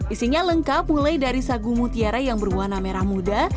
isinya lengkap mulai dari sagu mutiara yang berwarna merah muda